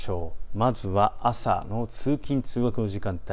まずは朝の通勤通学の時間帯